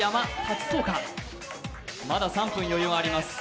まだ３分余裕があります。